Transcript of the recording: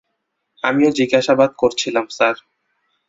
আমিও জিজ্ঞাসাবাদ করছিলাম, স্যার।